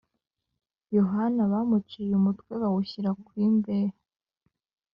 yohana bamuciye umutwe bawushyira ku imbehe